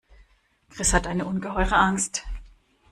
Chris hat eine ungeheure Angst.